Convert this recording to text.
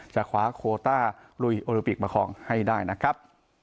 จะคว้าโคต้าลุยโอลิปิกประคองให้ได้นะครับ